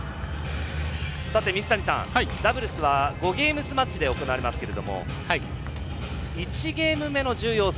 ダブルスは５ゲームスマッチで行われますけども１ゲーム目の重要性。